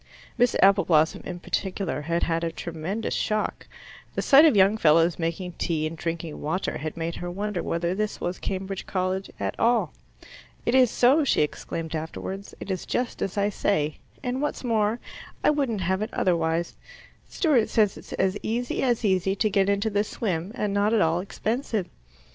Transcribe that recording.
Miss Appleblossom in particular had had a tremendous shock. The sight of young fellows making tea and drinking water had made her wonder whether this was Cambridge College at all. "It is so," she exclaimed afterwards. "It is just as I say; and what's more, I wouldn't have it otherwise; Stewart says it's as easy as easy to get into the swim, and not at all expensive."